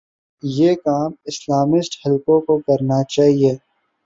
یہ کام اسلامسٹ حلقوں کوکرنا چاہیے۔